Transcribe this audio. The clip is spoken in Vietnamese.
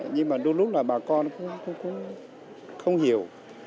nhưng mà đôi lúc là bà con cũng không hiểu